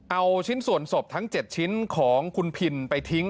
เอาชิ้นส่วนศพทั้ง๗ชิ้นของคุณพินไปทิ้ง